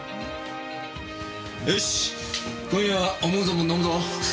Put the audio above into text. よし今夜は思う存分飲むぞ！